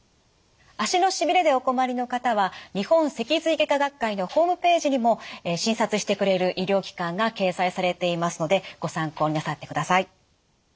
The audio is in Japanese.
足のしびれでお困りの方は日本脊髄外科学会のホームページにも診察してくれる医療機関が掲載されていますのでご参考になさってください。